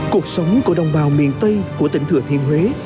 cuộc sống của đồng bào miền tây của tỉnh thừa thiên huế